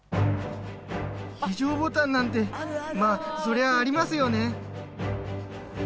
非常ボタンなんてまあそりゃありますよね。